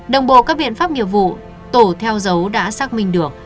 đồng bộ các biện pháp nghiệp vụ tổ theo dấu đã xác minh được